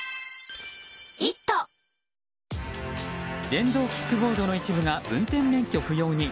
電動キックボードの一部が運転免許不要に。